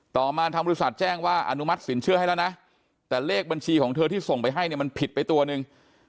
ต่อมาทางบริษัทแจ้งว่าอนุมัติสินเชื่อให้แล้วนะแต่เลขบัญชีของเธอที่ส่งไปให้เนี่ยมันผิดไปตัวหนึ่ง